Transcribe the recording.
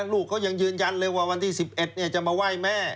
ลูกเขายังยืนยันเลยว่าวันที่๑๑จะมาไหว้แม่